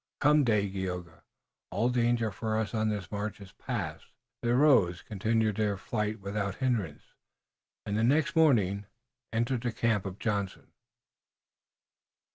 Come, Dagaeoga, all danger for us on this march has passed." They rose, continued their flight without hindrance, and the next morning entered the camp of Johnson.